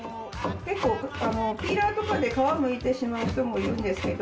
結構ピーラーとかで皮剥いてしまう人もいるんですけど。